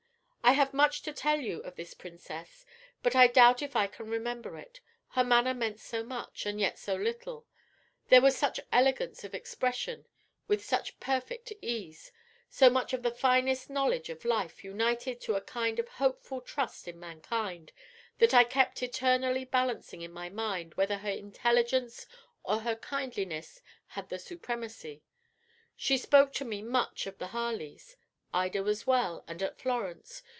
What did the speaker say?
I have much to tell you of this Princess, but I doubt if I can remember it. Her manner meant so much, and yet so little; there was such elegance of expression with such perfect ease, so much of the finest knowledge of life united to a kind of hopeful trust in mankind, that I kept eternally balancing in my mind whether her intelligence or her kindliness had the supremacy. She spoke to me much of the Harleys. Ida was well, and at Florence.